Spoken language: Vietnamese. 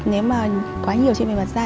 nếu mà quá nhiều trên bề mặt da